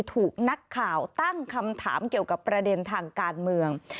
ถูกนักข่าวตั้งคำถามเกี่ยวกับประเด็นทางการเมือง